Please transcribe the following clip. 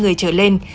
người trở lên